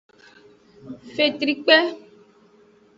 Fetrikpe.